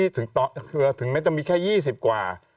ถึงแม้จะมีแค่๒๐กว่า